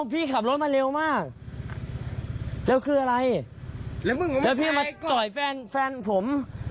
พี่ขับรถมาเร็วมากแล้วคืออะไรแล้วพี่มาต่อยแฟนแฟนผม